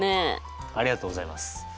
ありがとうございます。